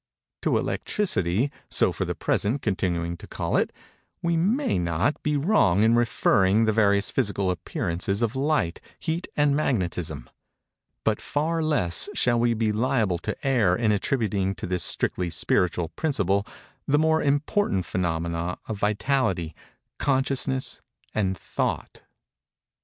To electricity—so, for the present, continuing to call it—we may not be wrong in referring the various physical appearances of light, heat and magnetism; but far less shall we be liable to err in attributing to this strictly spiritual principle the more important phænomena of vitality, consciousness and Thought.